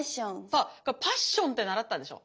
そうこれパッションって習ったでしょ。